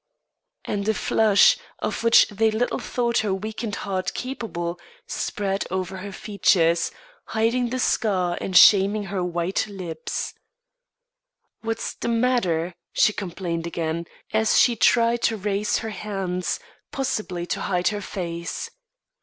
And a flush, of which they little thought her weakened heart capable, spread over her features, hiding the scar and shaming her white lips. "What's the matter?" she complained again, as she tried to raise her hands, possibly to hide her face.